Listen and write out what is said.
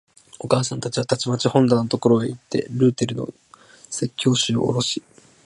お母さんはたちまち本棚のところへいって、ルーテルの説教集をおろし、